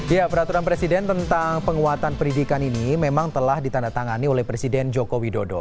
ya peraturan presiden tentang penguatan pendidikan ini memang telah ditandatangani oleh presiden joko widodo